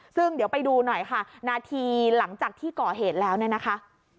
ซึ่งเดี๋ยวไปดูหน่อยค่ะนาทีหลังจากที่ก่อเหตุแล้วเนี่ยนะคะ